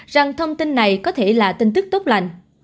rằng thông tin này có thể là tin tức tốt lành